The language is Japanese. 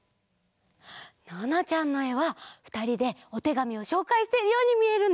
ななちゃんのえはふたりでおてがみをしょうかいしているようにみえるね！